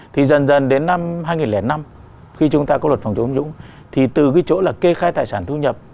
thì dần dần đến năm hai nghìn năm khi chúng ta có luật phòng chống tham nhũng thì từ cái chỗ là kê khai tài sản thu nhập